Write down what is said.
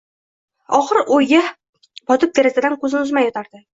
Og‘ir o‘yga botib derazadan ko‘z uzmay yotardi.